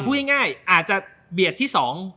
พูดง่ายอาจจะเบียดที่สอง